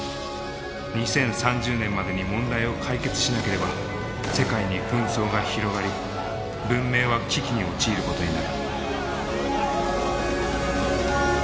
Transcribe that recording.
２０３０年までに問題を解決しなければ世界に紛争が広がり文明は危機に陥ることになる。